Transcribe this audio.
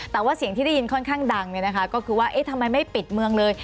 แต่ว่าเสียงที่ได้ยินค่อนข้างดังก็คือว่าทำไมไม่ปิดเมืองเลย